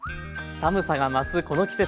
寒さが増すこの季節。